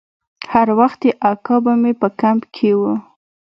هر وخت چې اکا به مې په کمپ کښې و.